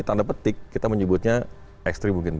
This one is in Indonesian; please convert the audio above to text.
tanda petik kita menyebutnya ekstrim mungkin